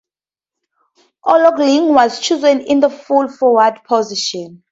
O'Loughlin was chosen in the full-forward position.